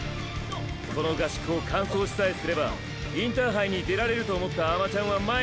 この合宿を完走しさえすればインターハイに出られると思った甘ちゃんは前に出ろ。